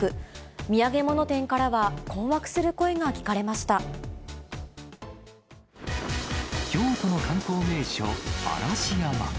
土産物店からは、困惑する声が聞京都の観光名所、嵐山。